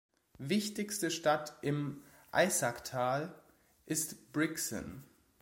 Wichtigste Stadt im Eisacktal ist Brixen.